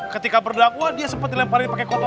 ketika berdakwah dia sempet dilemparin pakai kotoran loh